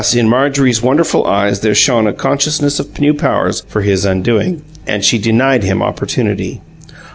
in Marjorie's wonderful eyes there shone a consciousness of new powers for his undoing, and she denied him opportunity.